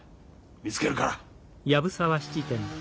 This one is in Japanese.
見つけるから。